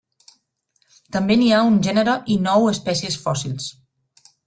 També n'hi ha un gènere i nou espècies fòssils.